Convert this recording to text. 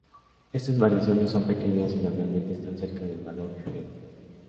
Estas variaciones son pequeñas y normalmente están cerca del valor medio.